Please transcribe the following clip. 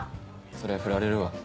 そりゃフラれるわ。